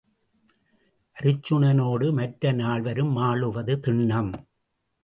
அருச்சுனனோடு மற்ற நால்வரும் மாளுவது திண்ணம்.